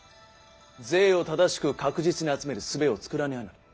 税を正しく確実に集めるすべを作らにゃならん。